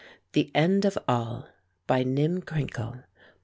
THE END OF ALL. BY NYM CRINKLE.